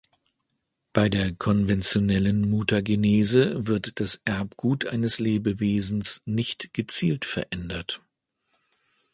Bei der konventionellen Mutagenese wird das Erbgut eines Lebewesens nicht gezielt verändert.